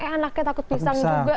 kayak anaknya takut pisang juga